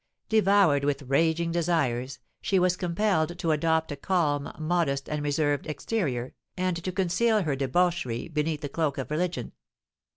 Devoured with raging desires, she was compelled to adopt a calm, modest, and reserved exterior, and to conceal her debauchery beneath the cloak of religion.